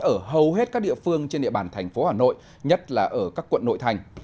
ở hầu hết các địa phương trên địa bàn thành phố hà nội nhất là ở các quận nội thành